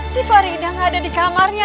si farida nggak ada di kamarnya